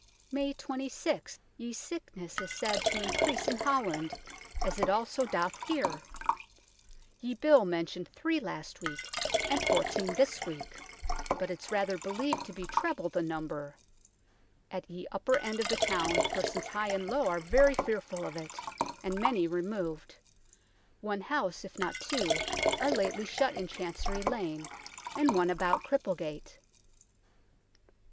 " May 26. Ye sicknesse is said to encrease in Holland, as it also doth here ; ye bill mentioned 3 last weeke and 14 this weeke, but its rather 2i8 UNKNOWN LONDON beleived to bee treble the number. At ye upper end of the towne persons high and low are very fearfull of it, and many removed ; one house, if not two, are lately shut in Chancery Lane, and one about Cripplegate."